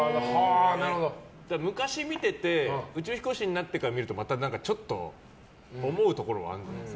昔見てて宇宙飛行士になってから見るとまたちょっと思うところはあるんですか？